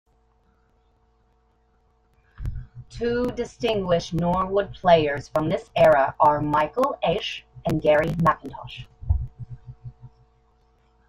Two distinguished Norwood players from this era are Michael Aish and Garry McIntosh.